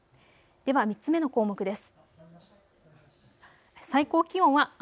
では３つ目の項目です。